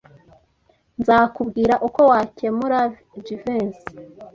Nzakubwira uko wakemura Jivency.